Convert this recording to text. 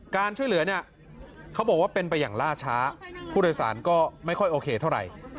การช่วยเหลือเนี่ยเขาบอกว่าเป็นไปอย่างล่าช้าผู้โดยสารก็ไม่ค่อยโอเคเท่าไหร่